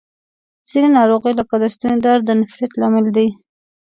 ځینې ناروغۍ لکه د ستوني درد د نفریت لامل دي.